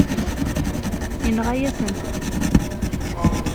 Yenɣa-yasent-t.